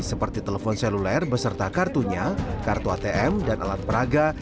seperti telepon seluler beserta kartunya kartu atm dan alat peraga